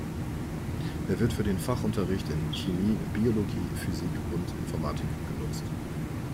Er wird für den Fachunterricht in Chemie, Biologie, Physik und Informatik genutzt.